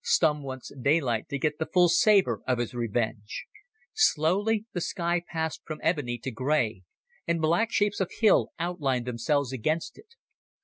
"Stumm wants daylight to get the full savour of his revenge." Slowly the sky passed from ebony to grey, and black shapes of hill outlined themselves against it.